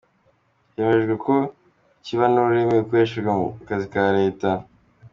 Hemejwe ko kiba n’ururimi rukoreshwa mu kazi ka Leta.